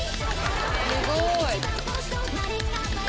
すごい！